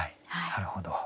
なるほど。